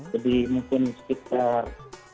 jadi mungkin sekitar